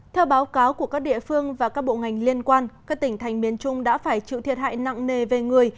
theo báo cáo của các địa phương và các bộ ngành liên quan các tỉnh thành miền trung đã phải chịu thiệt hại nặng nề về người